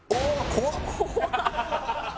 怖っ！